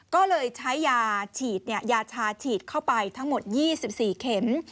ก็เลยใช้ยาฉีดยาชาฉีดเข้าไปทั้งหมด๒๔เข็ม